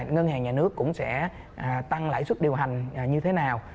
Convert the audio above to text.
ngân hàng nhà nước cũng sẽ tăng lãi suất điều hành như thế nào